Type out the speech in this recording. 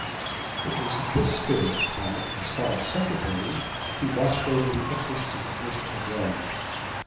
It was in this spirit that, as Foreign Secretary, he watched over the interests of Englishmen abroad.